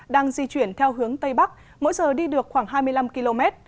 đang di chuyển theo hướng tây bắc mỗi giờ đi được khoảng hai mươi năm km